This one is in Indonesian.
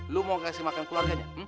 lu mau kasih makan keluarganya